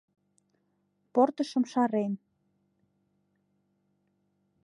Портышым шарен.